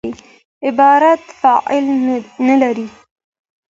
عبارت فاعل نه لري.